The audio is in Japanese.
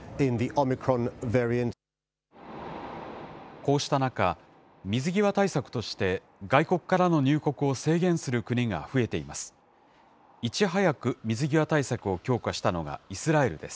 こうした中、水際対策として、外国からの入国を制限する国が増えています。